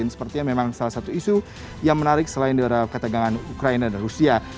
sepertinya memang salah satu isu yang menarik selain dari ketegangan ukraina dan rusia